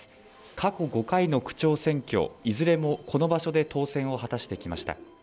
過去５回の区長選挙、いずれもこの場所で当選を果たしてきました。